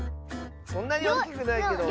そんなにおおきくないけど。